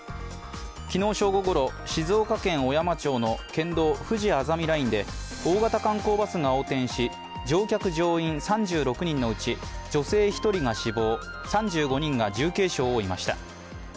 昨日正午ごろ、静岡県小山町の県道ふじあざみラインで大型観光バスが横転し、乗客・乗員３６人のうち女性１人が死亡、３５人が重軽傷を負いました。